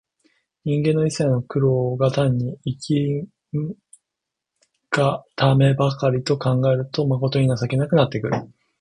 人間の一切の労苦が単に生きんがためばかりと考えると、まことに情けなくなってくる。